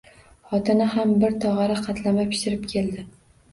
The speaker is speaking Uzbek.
Xotini ham bir tog‘ora qatlama pishirib keldi